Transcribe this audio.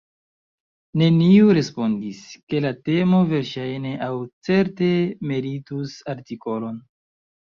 Neniu respondis, ke la temo verŝajne aŭ certe meritus artikolon.